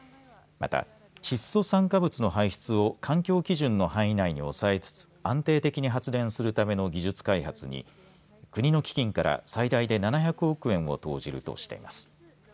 また窒素酸化物の排出を環境基準の範囲以内に抑えつつ安定的に発電するための技術開発に国の基金から最大で７００億円を投じるとしています。